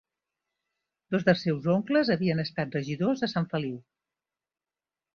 Dos dels seus oncles havien estat regidors a Sant Feliu.